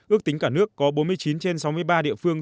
ước tính cả nước có bốn mươi chín trên sáu mươi ba địa phương